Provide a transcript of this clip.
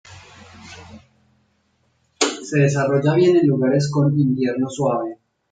Se desarrolla bien en lugares con invierno suave.